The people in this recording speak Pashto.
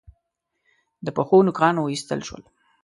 د پښو نوکان و ایستل شول.